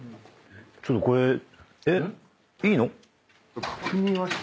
ちょっとこれえっ？いいの？